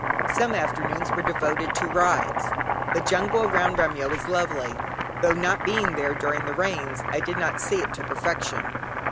Some afternoons were devoted to rides. The jungle around Remyo is lovely, tho' not being there during the Rains, I did not see it to perfection.